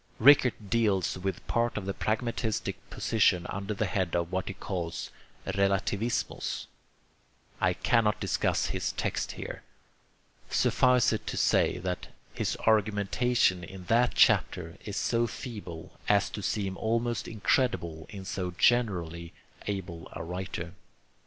Rickert deals with part of the pragmatistic position under the head of what he calls 'Relativismus.' I cannot discuss his text here. Suffice it to say that his argumentation in that chapter is so feeble as to seem almost incredible in so generally able a writer.